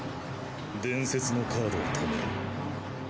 伝説のカードを止めろ。